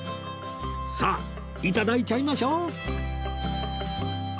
さあ頂いちゃいましょう！